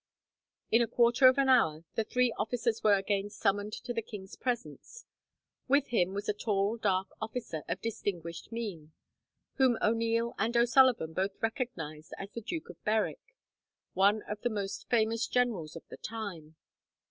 In a quarter of an hour, the three officers were again summoned to the king's presence. With him was a tall dark officer, of distinguished mien, whom O'Neil and O'Sullivan both recognized as the Duke of Berwick, one of the most famous generals of the time.